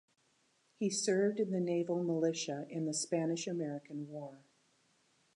He served in the naval militia in the Spanish-American War.